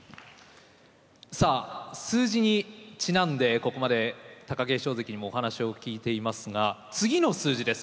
さあ数字にちなんでここまで貴景勝関にもお話を聞いていますが次の数字です。